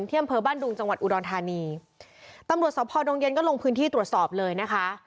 อำเภอบ้านดุงจังหวัดอุดรธานีตำรวจสภดงเย็นก็ลงพื้นที่ตรวจสอบเลยนะคะ